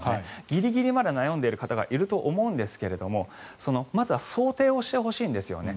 ギリギリまで悩んでいる方がいると思うんですがまずは想定をしてほしいんですよね。